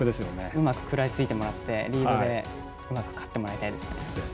うまく食らいついてもらって、うまくリードで勝ってもらいたいですね。